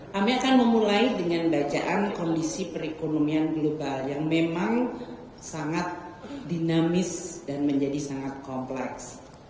kami akan memulai dengan bacaan kondisi perekonomian global yang memang sangat dinamis dan menjadi sangat kompleks